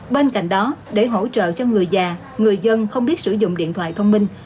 bên cạnh đó để hỗ trợ cho người già người dân không biết sử dụng điện thoại thông minh